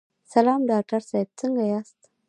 سلام ډاکټر صاحب، څنګه یاست؟